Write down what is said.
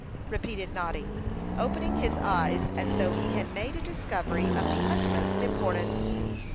repeated Noddy, opening his eyes as though he had made a discovery of the utmost importance.